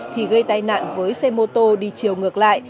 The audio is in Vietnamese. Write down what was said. thì gây tai nạn với xe mô tô đi chiều ngược lại